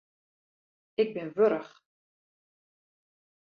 Ik bin wurch.